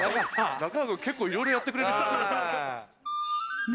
中川君、結構いろいろやってくれる人なんだね。